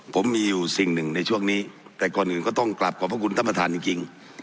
ผมมีอยู่สิ่งหนึ่งในช่วงนี้แต่ก่อนอื่นก็ต้องกลับขอบพระคุณท่านประธานจริง